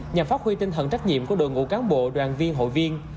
nhằm phát huy tinh thần trách nhiệm của đội ngũ cán bộ đoàn viên hội viên